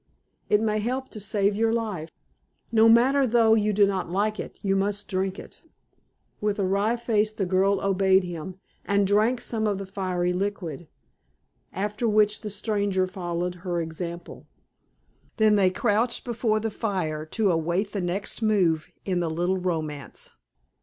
It may help to save your life. No matter though you do not like it, you must drink it." With a wry face the girl obeyed him, and drank some of the fiery liquid, after which the stranger followed her example. Then they crouched before the fire to await the next move in the little romance.